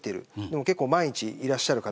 でも結構、毎日いらっしゃる方で